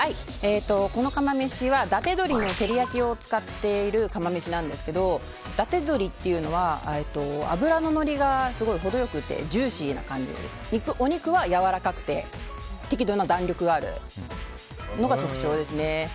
この釜飯は伊達鶏の照り焼きを使っている釜飯なんですけど伊達鶏というのは脂ののりがすごい程良くてジューシーな感じでお肉はやわらかくて適度な弾力があるのが特徴ですね。